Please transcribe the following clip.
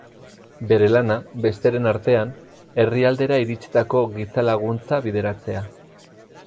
Bere lana, besteren artean, herrialdera iritsitako giza laguntza bideratzea.